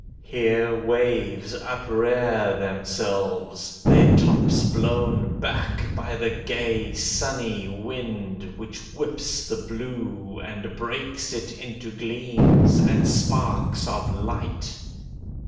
Here waves uprear themselves, their tops blown back By the gay, sunny wind, which whips the blue And breaks it into gleams and sparks of light.